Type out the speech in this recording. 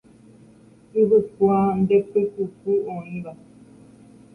Yvykua nde pykuku oĩva.